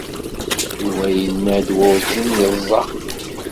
Yuba yenna-d werǧin yeẓẓa akbal.